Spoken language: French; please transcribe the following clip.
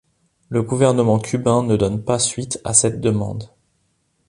Le gouvernent cubain ne donne pas suite à cette demande.